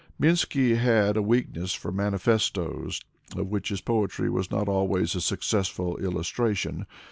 Minsky had a weakness for manifestos, of which his poetry was not always a successful illustration.